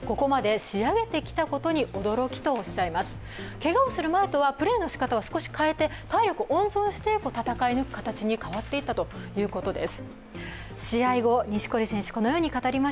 けがをする前とはプレーのしかたを少し変えて体力を温存して、戦い抜く形に変わっていったということです。